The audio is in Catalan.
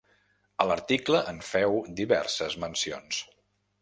A l’article en feu diverses mencions.